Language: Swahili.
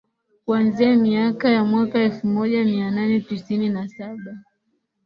kuanzia miaka ya mwaka elfu moja mia nane tisini na saba